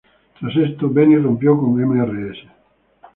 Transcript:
Tras esto, Venis rompió con Mrs.